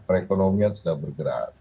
perekonomian sudah bergerak